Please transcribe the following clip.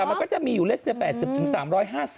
แต่มันก็จะมีอยู่เลส๘๐๓๕๐